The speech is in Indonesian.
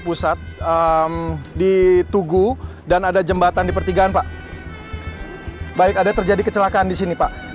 pusat di tugu dan ada jembatan di pertigaan pak baik ada terjadi kecelakaan di sini pak